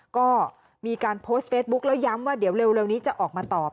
ก็มีการโพสต์เฟซบุ๊คแล้วย้ำว่าเดี๋ยวเร็วนี้จะออกมาตอบ